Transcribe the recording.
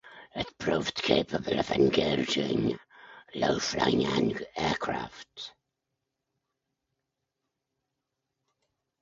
It proved capable of engaging low-flying aircraft.